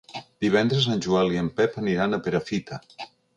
Divendres en Joel i en Pep aniran a Perafita.